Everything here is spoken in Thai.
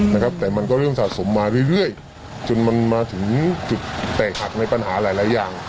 นะครับแต่มันก็เริ่มสะสมมาเรื่อยเรื่อยจนมันมาถึงจุดแตกหักในปัญหาหลายหลายอย่าง